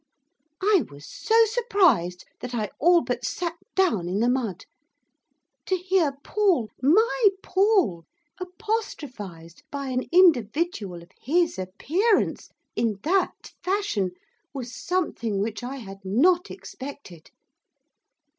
I was so surprised that I all but sat down in the mud. To hear Paul my Paul! apostrophised by an individual of his appearance, in that fashion, was something which I had not expected.